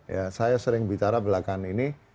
ya saya sering bicara belakang ini